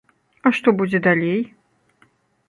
А што будзе далей?